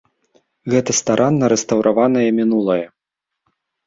Гэта старанна рэстаўраванае мінулае.